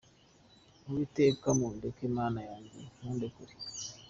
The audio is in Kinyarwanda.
Uwiteka ntundeke, Mana yanjye ntumbe kure.